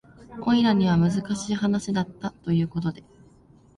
オイラには難しい話だったということで